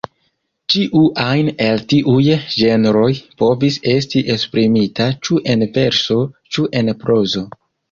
Ĉiu ajn el tiuj ĝenroj povis estis esprimita ĉu en verso ĉu en prozo.